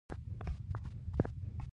ځان مه غولوې ډارت